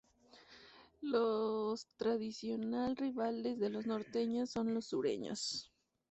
Los tradicional rivales de los norteños son los sureños.